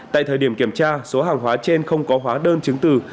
tại thời điểm kiểm tra số hàng hóa trên không có hóa đơn chứng từ